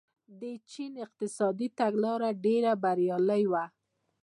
د چین اقتصادي تګلاره ډېره بریالۍ وه.